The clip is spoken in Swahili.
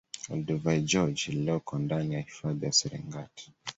Olduvai Gorge lililoko ndani ya hifadhi ya Serengeti